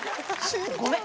ごめん。